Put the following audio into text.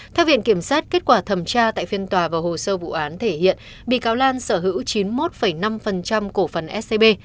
theo viện kiểm sát kết quả thẩm tra tại phiên tòa và hồ sơ vụ án thể hiện bị cáo lan sở hữu chín mươi một năm cổ phần scb